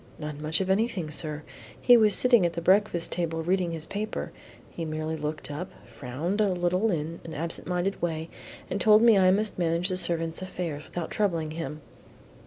"Not much of anything, sir. He was sitting at the breakfast table reading his paper, he merely looked up, frowned a little in an absent minded way, and told me I must manage the servants' affairs without troubling him."